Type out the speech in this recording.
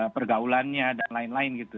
pergaulannya dan lain lain gitu